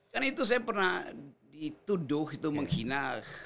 kan itu saya pernah dituduh itu menghina